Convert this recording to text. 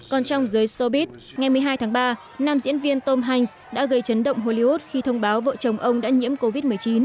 còn trong giới sobit ngày một mươi hai tháng ba nam diễn viên tom hanks đã gây chấn động hollywood khi thông báo vợ chồng ông đã nhiễm covid một mươi chín